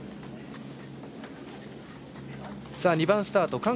２番スタート